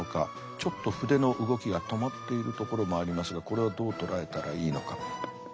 ちょっと筆の動きが止まっているところもありますがこれはどう捉えたらいいのか。